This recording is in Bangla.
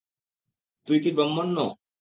তুই কি ব্রাহ্মণ্য?